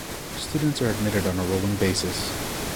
Students are admitted on a rolling basis.